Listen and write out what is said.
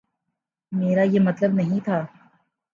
میرا یہ مطلب نہیں تھا۔